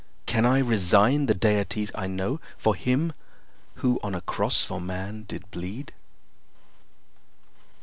Can I resign the deities I know For him who on a cross for man did bleed?